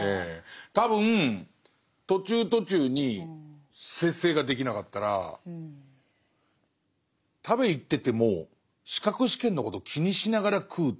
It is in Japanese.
多分途中途中に節制ができなかったら食べに行ってても資格試験のことを気にしながら食うっていう